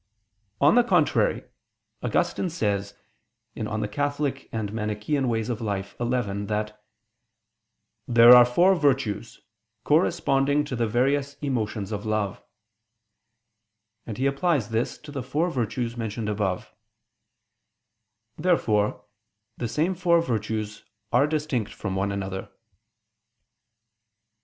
On the contrary, Augustine says (De Moribus Eccl. xi) that "there are four virtues, corresponding to the various emotions of love," and he applies this to the four virtues mentioned above. Therefore the same four virtues are distinct from one another.